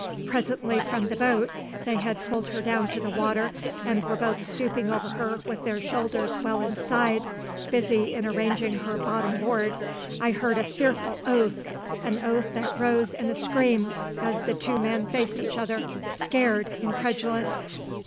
Presently from the boat they had pulled her down to the water, and were both stooping over her with their shoulders well inside, busy in arranging her bottom board I heard a fearful oath; an oath that rose in a scream, as the two men faced each other, scared, incredulous.